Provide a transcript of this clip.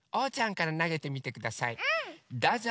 どうぞ！